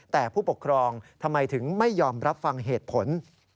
แต่ผู้ปกครองทำไมถึงไม่ยอมรับฟังเหตุผล